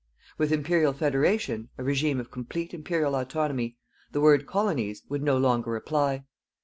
With Imperial Federation a regime of complete Imperial autonomy the word "colonies" would no longer apply.